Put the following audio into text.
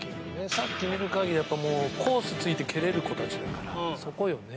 さっき見る限りやっぱもうコース突いて蹴れる子たちだからそこよね。